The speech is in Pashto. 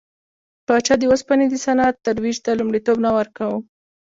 پاچا د اوسپنې د صنعت ترویج ته لومړیتوب نه ورکاوه.